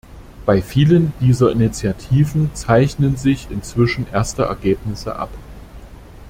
Bei vielen dieser Initiativen zeichnen sich inzwischen erste Ergebnisse ab.